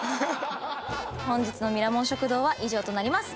本日のミラモン食堂は以上となります。